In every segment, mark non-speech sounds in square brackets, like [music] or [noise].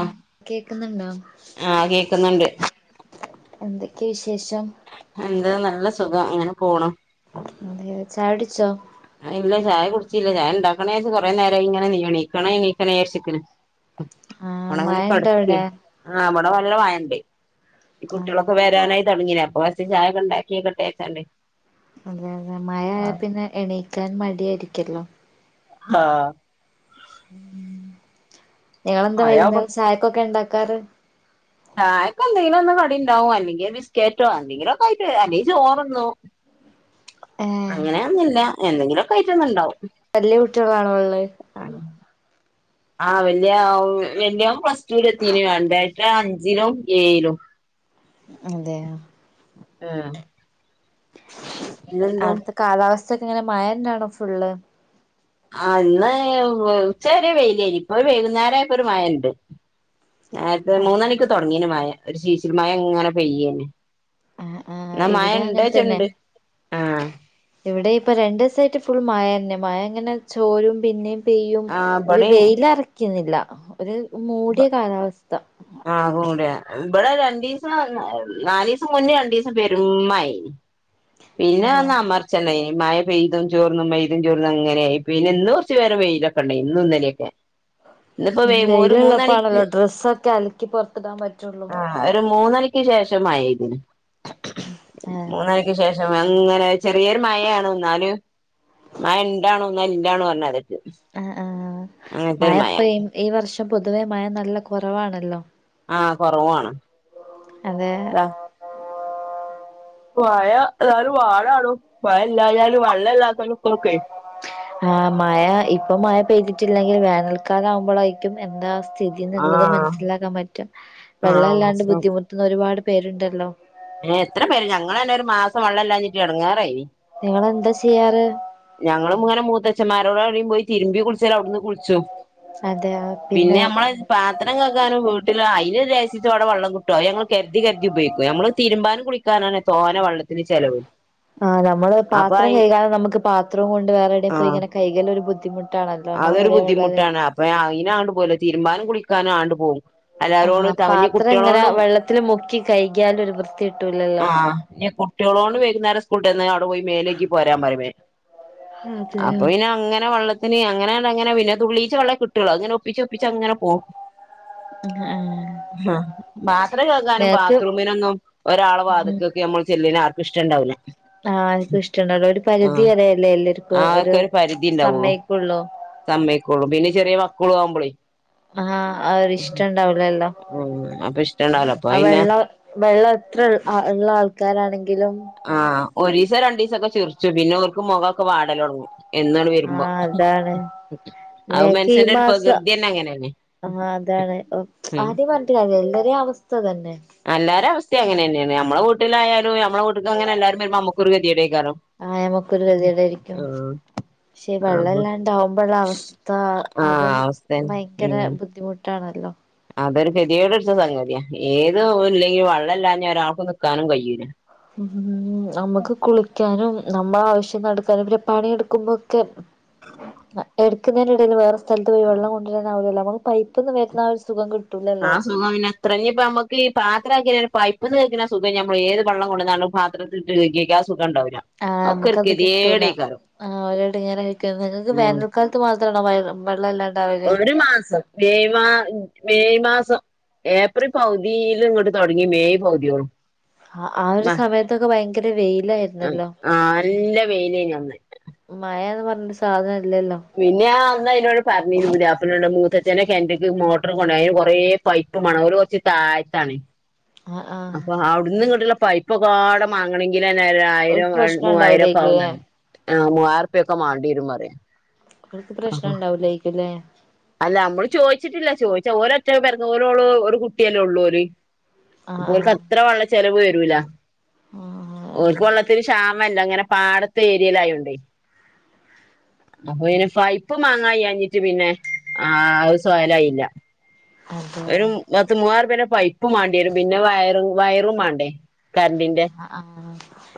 ആഹ് കേക്കുന്നുണ്ടോ ആഹ് കേക്കുന്നുണ്ട് എന്തൊക്കെയ വിശേഷം എന്ത നല്ല സുഖം അങ്ങനെ പോണം അതെ ചായകുടിച്ചോ ആഹ് ഇല്ല ചായ കുടിച്ചില്ല ചായ ഉണ്ടാക്കണേ കൊറെേ നേരം ഇങ്ങനെ നീണീക്കണ നീക്കണേ വിജാരിച്ചു നിൽക്കുന്നു ആഹ് [unintelligible] [inaudible] മഴണ്ടോ അവിടെ ആ ഇവിടെ നല്ല വാഴ ഉണ്ട് ഈ അതെ കുട്ടികളൊക്കെ വരാനായി തുടങ്ങിനനേ അപ്പൊ പ ചായൊക്കെ ഉണ്ടാക്കിയക്കെട്ടേക്കാണ്ട് അതെ അതെ മഴ ആയ പിന്നെ എണീക്കാൻ മടിയായിരിക്കല്ലോ ആഹ് ഇയാൾ എന്താ മഴയാവുമ്പോ വൈകുന്നേം ചായക്കൊക്കെ ഉണ്ടാക്കാറ് ചായക്ക എന്തെങ്കിലും ഒന്ന് കടി ഉണ്ടാവും അല്ലെങ്കിൽ ബിസ്ക്കറ്റോ എന്തെങ്കിലും ഒക്കെ ആയിട്ട് അല്ലെങ്ക ചോറ്ന്നു ഏഹ് അങ്ങനെയൊന്നുമില്ല എന്തെങ്കിലുമൊക്കെ ആയിറ്റം ഉണ്ടാവും വല്യ കുട്ടികളാണോ ഇള്ളത് ആഹ് വല്യ വല്യയോൻ പ്ലസ്റ്റുല് എത്തിന് രണ്ടാത്തെ അഞ്ചിലും ഏയ്‌ലു അതെയൊ ആഹ് പിന്നെന്താ അവിടുത്തെ കാലാവസ്ഥക്കെ ഇങ്ങനെ മഴ തന്നെയാണോ ഫുള്ള് ആഹ് ഇന്ന് ഉച്ച വരെ വെയിലരി ഇപ്പൊ വൈകുന്നരായപ്പ ഒരു മഴ ഉണ്ട് [inaudible] നേരത്തെ മൂന്നണിക്ക് ആഹ് തുടങ്ങീന് മഴ ഒരു ശീശിൽ മഴ ഇങ്ങനെ പെയ്യേനെ ആഹ് എന്ന മഴ ഇവിടെ അങ്ങനെ ഉണ്ട്ച്ചണ്ട് തന്നെ ഉണ്ട് ആഹ് ഇവിടെ ഇപ്പ രണ്ട് ദിവസായിട്ട് ഫുൾ മഴ തന്നെ മഴ ഇങ്ങനെ ചോരും പിന്നെയും പെയ്യും ആഹ് ഒരു ഇബടിം വെയില അറക്കുന്നില്ല ഒരു മൂടിയ കാലാവസ്ഥ ആകൂട ഇവിടെ രണ്ടു ദിവസം നാല് ദിവസം മുന്നേ രണ്ടു ദിവസം പെരും മഴ ആയിരുന്നു [inaudible] പിന്നെ വന്ന അമ്മർ അല്ല ഈ മഴ പെയ്ത ചോറന്നും [inaudible] ചോറന്നും അങ്ങനെയായി പിന്നെ ഇന്ന് കുറച്ച് വെയിലൊക്കെ ഉണ്ടേ ഇന്നും ഇന്നലെയൊക്കെ ഇന്നിപ്പോ വൈ ഒരു വെയിലള്ളപ്പ മൂന്നണിക്ക് ആണല്ലോ ഡ്രസ്സൊക്കെ അലക്കി പുറത്തിടാൻ പറ്റുള്ളൂ ആഹ് ഒരു മൂന്നണിക്ക് ശേഷം മഴയായിരുന്നു ആഹ് ശേഷം അങ്ങനെ ചെറിയൊരു മഴയാണ് എന്നാലും മഴ ഉണ്ടാവുമെന്ന് [inaudible] ഇല്ല പറഞ്ഞ [inaudible] ആഹ് ആഹ് അങ്ങനത്തെ ഒരു മഴ മഴപ്പ ഈ വർഷം പൊതുവേ മഴ നല്ല കൊറവാണല്ലോ ആഹ് കുറവാണ് അതെ [inaudible] മഴ എന്നാലും [inaudible] മഴ ഇല്ലായാലും വെള്ളല്ലാത്തക്കളൊക്കെ ആഹ് മഴ ഇപ്പൊ മഴ പെയ്തിട്ടില്ലെങ്കിൽ വേനൽക്കാലാവുമ്പൊളായിരിക്കും എന്താ അവസ്ഥ സ്ഥിതിന്നുള്ളത് ആഹ് മനസ്സിലാക്കാൻ പറ്റ ആഹ് വെള്ളല്ലാണ്ട് മനസ്സിലാവും ബുദ്ധിമുട്ടുന്ന ഒരുപാട് പേരുണ്ടല്ലോ ആഹ് എത്ര പേര് ഞങ്ങളന്നെ ഒരു മാസം വെള്ളല്ലാഞ്ഞിട്ട് എടങ്ങാറായി നിങ്ങളെന്താ ചെയ്യാറ് ഞങ്ങളും ഇങ്ങനെ മൂത്തച്ചന്മാരോടെടെയും പോയി തിരുമ്പി കുളിച്ചാലാടുന്ന് കുളിച്ചും പിന്നെ നമ്മൾ പാ ത്രം കകാനും വീട്ടിൽ അയിന് ലേഷിച്ചോളം വെള്ളം കിട്ടും അത് ഞങ്ങൾ കരുതി കരുതി ഉപയോഗിക്കും ഞമ്മൾ തിരുമ്പാനും കുളിക്കാ നാണ് തോനെ വള്ളത്തിന് ചെലവ് ആഹ് നമ്മള് അപ്പൊ പാത്രം അയി കയ്കാനും നമുക്ക് പാത്രം കൊണ്ട് വേറെടെയും പോയി ആഹ് ഇങ്ങനെ കൈകാനും ബുദ്ധിമു ട്ടാണല്ലോ നമ്മള് പൊരേലുള്ളത് അപ്പ അയ്നാണ്ട് പോല തിരുമ്പാനും കുളിക്കാനും ആണ്ട് പോവും ആഹ് എല്ലാവരോടും തെകഞ്ഞ് ഇനി പാത്രം ഇങ്ങനെ കുട്ടികളോണ്ടും വെള്ളത്തില് മുക്കി കഴുകിയാലും ഒരു വൃത്തി കിട്ടൂലല്ലോ ആഹ് ഇനി [inaudible] കുട്ടികളോണ്ട് വൈകുന്നേരം സ്കൂൾ വിട്ടു വന്ന അവിടെ പോയി മേലയ്കി പോരാൻ പറയും അതെയോ അപ്പൊപ്പിന്നങ്ങനെ വള്ള ത്തിന് അങ്ങനെ അങ്ങനെ പിന്നെതുള്ളീച്ചെ വെള്ളം കിട്ടൊള്ളോ അങ്ങന ഒപ്പിച്ചൊപ്പിച്ചങ്ങനെ പോവും ആഹ് പാത്രം കകാനും നിനക്ക് ബാത്റൂമിനൊന്നും ഒരാളെ ഉം വാതിക്കെക്കെ നമ്മള് ചെല്ലിന ഇഷ്ടണ്ടാവുല ആഹ് ആര്ക്കുഷ്ടണ്ടാവുല്ല ഒരു പരിധി വരെയല്ലേ എല്ലര്ക്കും ഓര് ആക്കെ സമ്മയിക്കൊള്ളൂ സമ്മയിക്കൊള്ളൂ പിന്നെ ചെറിയ മക്കളു ആവുമ്പളേ ആഹ് അവരിഷ്ടുണ്ടാവില്ലല്ലോ മ് അപ്പിഷ് ആഹ് വെള്ളം വെള്ളം എത്ര ഇള്ള ആൾക്കാരാണെങ്കിലും ആഹ് ഒരീസം രണ്ടീസൊക്കെ ചിറിച്ചും പിന്നോർക്ക് മുഖൊക്കെ വാടലൊടങ്ങും എന്നണ് വരുമ്പോ ആഹ് അതാണ് അത് മനുഷ്യന്റെ ഒരു ഞങ്ങക്കീമാസം പ്രകൃതിന്നെ അങ്ങനെന്നെ ആഹ് അതാണ് ഉം ആര്നേംപറ ഞ്ഞിട്ട് കാര്യില്ല എല്ലാരേം അവസ്ഥ ഇതന്നെ എല്ലാരേം അവസ്ഥ അങ്ങനെയെന്നെയാണ് നമ്മളെ വട്ടിലായാലും നമ്മളെ വീട്ടക്കങ്ങനെല്ലാരും വരുമ്പൊ നമ്മക്കൊര് ഗതികേടായിക്കാരും ആഹ് ഞമ്ക്കൊരു ഗതികേടായിരിക്കും പക്ഷെ അപ്പൊ വെള്ളല്ലാണ്ടാവുമ്പുള്ളവസ്ഥ അതും ആഹ് അവസ്ഥന്നെ ഭയങ്കര ഉം ബുദ്ധിമു ട്ടാണല്ലോ അതൊരു ഗതികേട്പിടിച്ച സംഗതിയാ ഏത് ഇല്ലെങ്കിൽ വെള്ളല്ലാഞ്ഞാ ഒരാൾക്കും നിക്കാനും കയ്യൂല മ് നമുക്ക് കുളിക്കാനും നമ്മളാവശ്യം നടക്കാനും പിന്നെ പണിയെട്ക്കുമ്പൊക്കെ [inaudible] എടുക്കുന്നതിന്റെടയില് വേറെ സ്ഥലത്ത് പോയി വെള്ളം കൊണ്ടുവരനാവില്ലല്ലോ നമുക്ക് പൈപ്പിന്ന് വരുന്നാഒരു സുഖം കി ആ സുഖം പിന്നെ ത്രം ഇഞ്ഞിപ്പോ നമുക്കീ പാത്രാക്കയ്ഞ്ഞാ പൈപ്പ്ന്ന് കൈക്ണ സുഖം നമ്മളേത് വെള്ളം കൊണ്ട്വന്നാലും പാ ത്രതിട്ട് കൈകിക ആ സുഖണ്ടാവില്ല ആഹ് നമുക്കത് കിട്ടൂല ആഹ് ഓരെടങ്ങറായിരിക്കും നിങ്ങക്ക് ഉം വേനൽ ക്കാലത്ത് മാത്രാണോ മയ വെള്ളല്ലാണ്ട് ഒരുമാസം മെയ് മാ മെയ്മാസം ഏപ്രിൽ പകുതിലിങ്ങ്ട്ട് തൊടങ്ങി മെയ് പകുതിയോളം ആഹ് ആ ഒരു സമയത്തൊക്കെ ഭയങ്കര വെയിലായിരുന്നല്ലോ ആഹ് നല്ല വെയിലേനി അന്ന് മയാന്ന് പറഞ്ഞൊരു സാധനം ഇല്ലല്ലോ പിന്നെഞാ അന്നയിനോട് പറഞ്ഞിരുന്നു പുതിയപ്പിലെനോട് മൂത്തച്ഛന്റെ കെണറ്റിക്ക് മോട്ടറ് കൊണ്ട്പോവാൻ അയിന് കൊറേ പൈപ്പ്മേണം അവിര് കൊറച്ച് തായത്താണെ ആഹ് ആഹ് അപ്പൊ അവിടുന്ന്ങ്ങ്ടുള്ള പൈപ്പ്പാടെ മാങ്ങണെങ്കിലന്നെ ആയിരം ഓൽക്ക് ര പ്രശ്നം മൂവായിരം ഒക്കെ ആവുന്ന ഉണ്ടാവൂലേക്കുല്ലേ മൂവായിറുപ്പിയ ഒക്കെ വേണ്ടി വരും പറയാ [unintelligible] പ്രശ്നം അപ്പൊ ഇണ്ടാവൂലാക്കുല്ലേ അല്ല മ്മള് ചോയിച്ചിട്ടില്ല ചോയിച്ചാ ഓരൊറ്റ പെരക്ക് ഓരോള് ഒരു കുട്ടിയല്ലേ ഉള്ളൂര് ആഹ് അപ്പഓര്ക്ക് ആഹ് അത്ര വെള്ള ചെലവ് വരൂല ആഹ് ഓല്ക്ക് വെള്ളത്തിന് ക്ഷാമല്ല അങ്ങനെ പാട ത്തെ ഏരിയേലായോണ്ടേ അപ്പൊ [unintelligible] പൈപ്പ് മാങ്ങാകയ്യാഞ്ഞിട്ട് പിന്നെ ആ സ്വയലായില്ല അതെയോ ഒരു പത്ത് മൂവ്വായിറുപിയേണ്ടേ പൈപ്പ് മാണ്ടി വരും പിന്നെ വയറ വയറും മാണ്ടേരും ആഹ് ആഹ്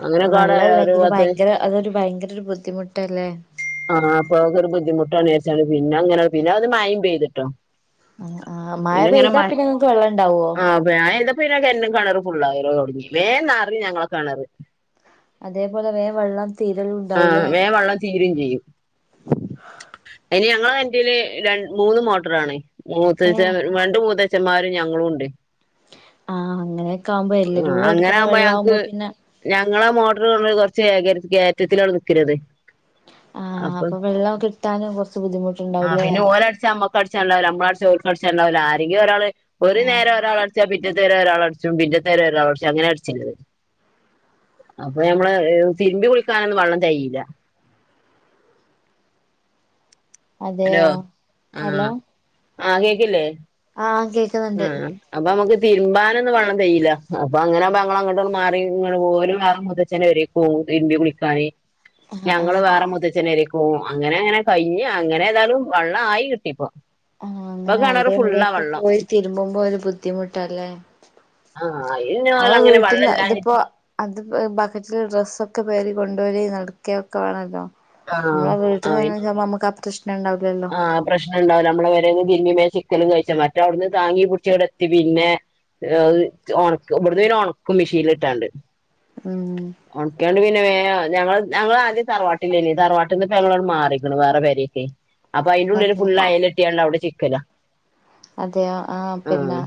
അങ്ങനെക്കാടെ വെള്ള ഒരു ഇല്ലെങ്കില് പത്ത് ഭയങ്കര അതൊരു ഭയങ്കര ഒരു ബുദ്ധിമുട്ടല്ലേ ആഹ് അപ്പൊ ഒരു ബുദ്ധിമുട്ടണുരിച്ച പിന്നെ അങ്ങനെ പിന്നെ അത് മായം പെയ്തിട്ടോ ആഹ് ആഹ് മയ പെയ്താ പിന്നെ നിങ്ങക്ക് വെള്ളം ഇണ്ടാവുവോ മയ എയ്തപിന്നെ എന്നും കിണറ് ഫുള്ളാവിലും തൊടങ്ങി വേ നറയും ഞങ്ങളെ കെണറ് അതേപോലെ വേം വെള്ളം തീരലും ആഹ് ഉണ്ടാവൂലേ വേ വെള്ള തീരയും ചെയ്യും അയ്ന് ഞങ്ങളെ കെന്റിൽ ര മൂന്ന് മോട്ടറാണ് മൂത്തച്, ഏഹ് രണ്ട് മൂത്തച്ഛന്മാരും ഞങ്ങളും ഉണ്ട് ആഹ് അങ്ങനെയൊക്കെ ആകുമ്പോ എല്ലരൂടെ എടുക്കുന്ന വെള്ളം ആകുമ്പോ പിന്നെ ഞങ്ങളാ മോട്ടർ കൊ കൊറച്ച് കയറ്റത്തിലാണ് നിക്കണ്ത് ആഹ് അപ്പൊ, വെള്ളം കിട്ടാനും കുറച്ച് ആ ബുദ്ധിമുട്ടുണ്ടാവൂല്ലേ പിന്നെ ഓര് അട്ചാൽ നമ്മ ക്ക് അടിച്ചാൻ ഉണ്ടാവുല്ല, നമ്മള് അടിച്ചാൽ ഓല്ക് ഉണ്ടാവുല്ല ആരെങ്കിലും ഒരാള് ഒരു നേരം ആഹ് ഒരാൾ അടച്ചാ, പിറ്റേത്തെ നേരം ഒരാൾ അടിച്ചും, പിറ്റത്തെ ഒരാൾടച്ചു അങ്ങനെ അടിച്ചല് അപ്പൊ നമ്മള് തിരുമ്പി കുളിക്കാനൊന്നും വെള്ളം തികയൂല. ഹലോ അതെയോ ഹലോ ആഹ് ആ കേൾക്കില്ലേ ആഹ് കേ ഉം അപ്പൊ നമക്ക് തിരുമ്പാനൊന്നും വെള്ളം തികയൂല. അപ്പൊ അങ്ങനെ അപ്പോ ഞങ്ങൾ അങ്ങോട്ടന്ന് മാറി പോലും ആ മുത്തച്ഛനെ വരും മം തിരുമ്പി കുളിക്കാന് ആഹ് ഞങ്ങള് ആഹ് വേറെ മൂത്തച്ന്റെ പേരെക്ക് പൊ പോവും. അങ്ങനെ അങ്ങനെ കഴിഞ് അങ്ങനെ ഏതായാലും വെള്ളം ആയി കിട്ടിപ്പോ ആഹ് അങ്ങനെ അവിടെ ഇവിടെക്കെ പോയി തിരുമ്പുമ്പോ ഒരു ബുദ്ധിമുട്ടല്ലേ ആഹ് ആ നമ്മളെ വീട്ടിൽന്ന് ഇതിപ്പോ അത് ബക്കറ്റില് ഡ്രസ്സൊക്കെ പേറി കൊണ്ടുപോയി നടക്ക ഒക്കെ വേണമല്ലോ ആഹ് നമ്മളെ വീട്ടിൽ അയി നിന്ന്തന്നെ ആണേ നമുക്ക് ആ പ്രശ്നം ഉണ്ടാവില്ലല്ലോ ആഹ് പ്രശ്നണ്ടാവൂല നമ്മളെ പേരെന്ന് തിരുമ്പി വേം ചിക്കലും കഴിച്ച, മറ്റേ അവിടുന്ന് താങ്ങി പിടിച്ചിവിടെ എത്തി. പിന്നെ അത് ഉണക്കും ഇവിടന്ന് പിന്നെ ഉണക്കും മെഷീനൽ ഇട്ടാണ്ട് ഉം ഉണക്കിയാണ്ട് പിന്നെ വേ ഞങ്ങ ഞങ്ങള് ആദ്യം തറവാട്ടിലേനി തറവാട്ട ന്നട്ട് ഞങ്ങളോട് മാറിക്ണ് വേറെ പേരെയ്ക്കെ അപ്പൊ അതിന്റെ ഉള്ളില് അതെ ഫുള് അയല് കെട്ടിയണ്ട് അവിടെ ചിക്കല അതെയോ, ആഹ് പിന്നെ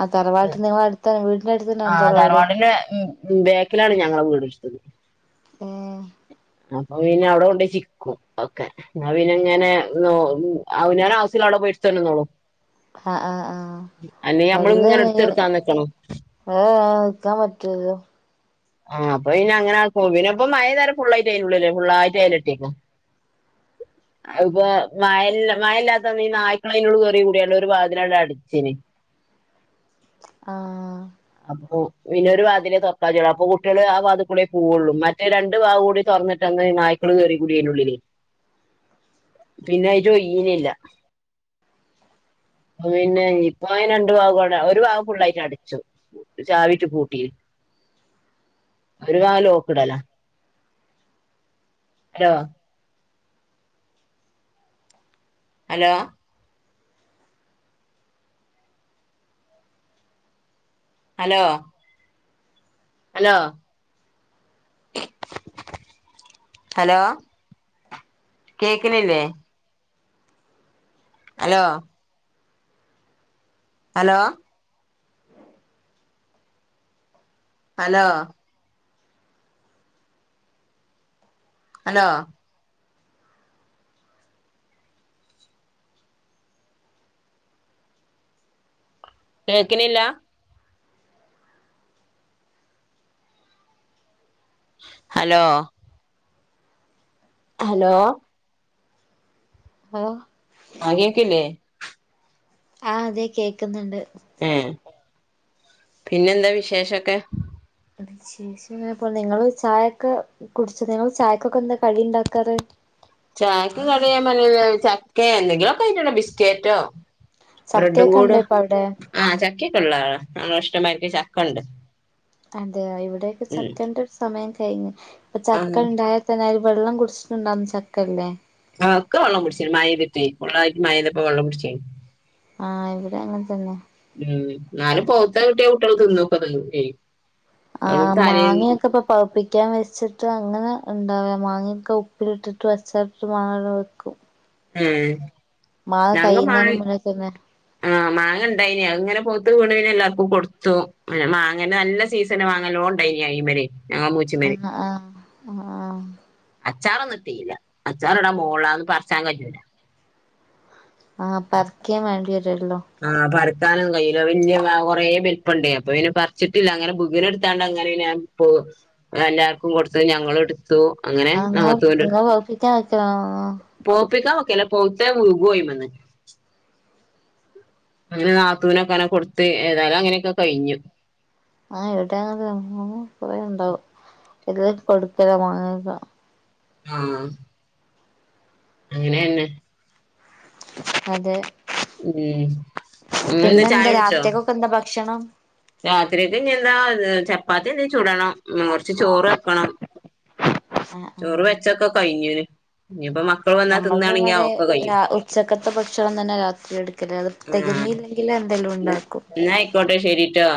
ആ തറവാട്ട് നിങ്ങള അടുത്തന്നെ വീടിന്റെ അടുത്ത തന്നാണോ തറവാട് [unintelligible] മം ബേക്കിലാണ് ഞങ്ങള വീട് ഇടാത്തത്. ഏഹ് അപ്പൊ പിന്നെ അവിടെ കൊണ്ട്പോയി ചിക്കും ഒക്കെ ന്നാ പിന്നെങ്ങനെ നോ അവനാൻ ആവശ്യല്ലത് അവിടെ പോയിട്ടു ഇടത്ത് കൊണ്ടന്നോളും ആഹ് ആഹ് ആഹ് അല്ലെ ഞമ്മള് ഇങ്ങനെ എടുത്ത് കൊടുക്കാൻ നിക്കണം ഏഹ് നിക്കാൻ പറ്റുവോ അത് ആ അപ്പൊ പിന്നെ അങ്ങനെ ആക്കും. പിന്നെപ്പം മഴപെയ്തരെ ഫുള്ളായിട്ട് അതിനലുള്ള് ഫുള്ളായിട്ട് അയല് കെട്ടിക്കും അത് ഇപ്പൊ മഴ, മഴ ഇല്ലാത്തന്ന് ഈ നായ്ക്കള് അതിന്റെഉള്ളിൽ കേറി കൂടിയാണ്ട് ഒരു വാതിലണ്ട് അടച്ചിനി ആഹ് അപ്പൊ പിന്നൊരു വാതിലെ തൊർക്കാൻ കജ്ജോള്ളു. ഇപ്പൊ കുട്ടിയള് ആ വാത്ക്കൂടെ പോവള്ളു. മറ്റെ രണ്ട് ഭാഗം കൂടി തൊറന്നിട്ടന്ന് നായ്ക്കള് കേറിക്കൂടി അതിന്റുള്ളിൽ. [inaudible] പിന്നെ അയ്റ്റ ഒയ്യ്ണില്ല. അപ്പൊ പിന്നെ ഇപ്പ രണ്ടു ഭാഗം, ഒരു ഭാഗം ഫുള്ളായിട്ട് അടച്ചു. ചാവിട്ട് പൂട്ടിക്ക്ണ്. ഒരു വാ ലോക്ക്ടലാ hello. Hello. Hello. Hello. Hello കേക്ക്ണില്ലേ? ഹലോ. ഹലോ. ഹലോ. ഹലോ. കേക്ക്ണില്ല. ഹലോ. ഹലോ. ഓഹ്. ആഹ് കേക്ക്ല്ലേ? ആഹ് അതെ കേക്കുന്നുണ്ട്. ഏഹ് പിന്നെന്താ വിശേഷൊക്കെ? വിശേഷംങ്ങനെ പോണ് നിങ്ങള് ചായൊക്കെ കുടിച്ച് നിങ്ങള് ചായക്കൊക്കെ എന്താ കടി ഇണ്ടാക്കാറ്. ചായക്ക് കടി ഞാൻ പർഞ്ഞീലെ ചക്കേ എന്തെങ്കിലൊക്കായിറ്റ്ണ്ടാ ബിസ്കേറ്റോ? ബ്രെഡും ചക്കയൊക്കെ കൂട് ഇണ്ടോ ഇപ്പൊ അവിടെ ആഹ് ചക്കിണ്ട്ള്ള നല്ല ഇഷ്ട്ടമായിരിക്ക് ചക്കണ്ട്. അതെ ഇവിടെയൊക്കെ ചക്കന്റെ ഒരു സമയം കഴിഞ്ഞ് ഇപ്പൊ ഉം ചക്ക ഇണ്ടായ. ഇപ്പം നേറെ വള്ളം കുടിച്ചിട്ടുണ്ടാവുന്ന ചക്കല്ലേ? ആഹ് ഒക്കെ വെള്ളം കുടിച്ച്ണ് മഴയ്തിട്ട് ഫുള്ളായിട്ട് മഴെയ്തപ്പൊ വെള്ളം കുട്ച്ച്ണ്. ആഹ് ഇവിടെ അങ്ങൻതന്നെ. ഉം ഇന്നാലും പൗത്തഹ് കിട്ടിയ കുട്ട്യോൾ തിന്നൊക്കെ തീരും ചെയ്യും. അത് ആഹ് തലേ മാങ്ങയൊക്കെ ഇപ്പൊ പഴുപ്പിക്കാൻ വെച്ച്. ച്ചാ അങ്ങനെ ഇണ്ടാവ മാങ്ങൊക്കെ ഉപ്പിലിട്ടിട്ട് അച്ചാർട്ട്ട്ടു മാങ്ങനെ വെക്കും. ഏഹ് മാങ്ങ ഞങ്ങള് കഴിയുന്നതിന് മാങ്ങ. മുന്നേ [inaudible] മാങ്ങണ്ടായിനി അത്ങ്ങനെ പൗത്ത് വീണ് പിന്നെ എല്ലാർക്കും കൊട്ത്തു പിന്നെ മാങ്ങെന്റെ നല്ല സീസ ത്ത്ണ മാങ്ങ നല്ലോണ്ടേനി ഐമല്. ഞങ്ങളെ മൂച്ച് അന്ന ആഹ് അ ആഹ്. അച്ചാറൊന്നിട്ടില്ല അച്ചാറ്ടാ മോളാ അതൊന്നും പർച്ചാൻ കയ്യൂല. ആഹ് പറിക്ക്യാ വേണ്ടിയരുല്ലോ. ആഹ് പറിക്കാനൊന്നും കയ്യൂല വല്യ മാവ് കൊറേ വല്പണ്ട് അപ്പൊ പിന്നെ പർച്ചിട്ടില്ല അങ്ങനെ ബുക്ണട്ത്താണ്ട് അങ്ങനെ പിന്നെ ഞാ. ത്തു എല്ലാർക്കും കൊടുത്തു ഞങ്ങളുട്ത്തു അങ്ങനെ നിങ്ങള് നാത്തു. നിങ്ങള് പഴുപ്പിക്കാൻ ത്തയ്ച്ചാ ആഹ്. പോപ്പിക്കാൻ വെക്കലാ പഴുത്തത് വികും അയ്മന്ന്. അങ്ങനെ നാത്തൂനൊക്കെ അങ്ങനെ കൊടുത്ത് ഏതായാലും അങ്ങനെയൊക്കെ കഴിഞ്ഞു. ആഹ് ഇവിടെ അങ്ങനെ കൊറേയ്ണ്ടാവും [unintelligible] കൊടുക്കല്ല വാങ്ങിക്കൊ. ആഹ്. അങ്ങനെന്നെ. അതെ. ഉം ഇങ്ങളെന്താ ചായുട്ച്ചോ? ഇപ്പെന്താ ഭക്ഷണം രാത്രിയ്ക്കിഞെന്താ ചപ്പാത്തി എന്തേലും ചൂടണം കുറച്ച് ചോറെക്കണം ആഹ് ചോറ് ആഹ് വെച്ചൊക്കെ കഴിഞ്ഞ്ണ് ഇഞ്ഞിപ്പ മ നമ്മൾ ഇവിടെ ഉച്ചക്കത്തെ ഭക്ഷണം തന്നെ രാത്രി എടുക്കല് അത് തികഞ്ഞിലേല് ഇല്ലേലെന്തേലും ഉണ്ടാക്കും ഇന്നാആയിക്കോട്ടെ ശരിട്ടോ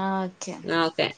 ആഹ് ഓക്കെ ന്നാ ഓക്കെ